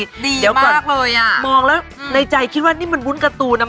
ดีมากเลยอ่ะมองแล้วในใจคิดว่านี่มันวุ้นการ์ตูนนะ